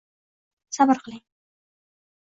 Sabr qiling!